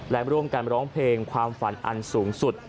และร่วมกันร้องเพลงความฝันอันสูงสุด